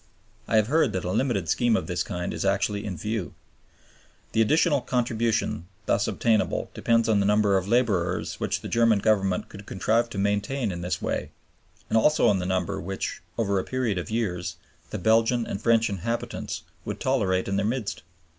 I have heard that a limited scheme of this kind is actually in view. The additional contribution thus obtainable depends on the number of laborers which the German Government could contrive to maintain in this way and also on the number which, over a period of years, the Belgian and French inhabitants would tolerate in their midst.